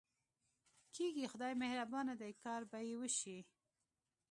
کېږي، خدای مهربانه دی، کار به یې وشي.